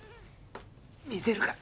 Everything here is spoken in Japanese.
見せるから。